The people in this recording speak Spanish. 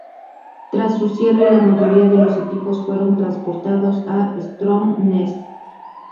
Tras su cierre, la mayoría de los equipos fueron transportados a Stromness.